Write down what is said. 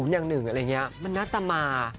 อย่าง๐อย่าง๑มันน่าจะมา